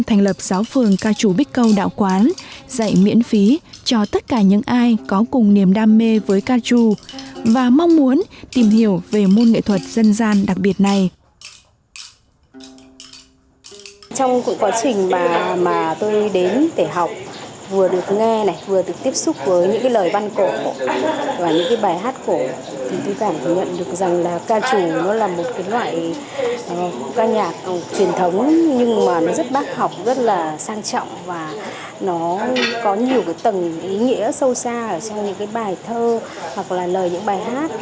và những cái bài hát của tùy cảm tôi nhận được rằng là ca chủ nó là một cái loại ca nhạc truyền thống nhưng mà nó rất bác học rất là sang trọng và nó có nhiều cái tầng ý nghĩa sâu xa ở trong những cái bài thơ hoặc là lời những bài hát